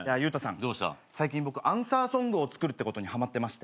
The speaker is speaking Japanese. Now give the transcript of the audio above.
最近僕アンサーソングを作るってことにはまってまして。